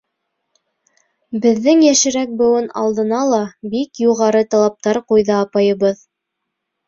Беҙҙең йәшерәк быуын алдына ла бик юғары талаптар ҡуйҙы апайыбыҙ.